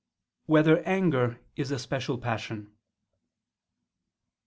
1] Whether Anger Is a Special Passion?